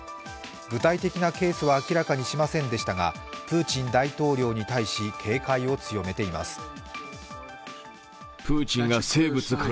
具体的なケースは明らかにしませんでしたが、プーチン大統領に対し、警戒を強めています。